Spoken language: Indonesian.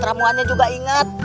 ramuannya juga ingat